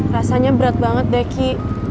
rasanya berat banget deki